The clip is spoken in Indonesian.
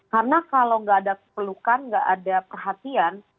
karena kalau tidak ada keperlukan tidak ada perhatian